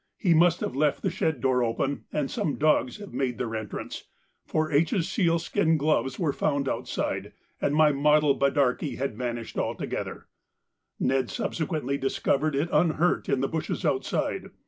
He must have left the shed door open, and some dogs have made their entrance, for H.'s sealskin gloves were found outside, and my model bidarky had vanished altogether; Ned subsequently discovered it unhurt in the bushes outside.